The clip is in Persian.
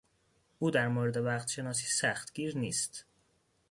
او در مورد وقتشناسی سختگیر نیست.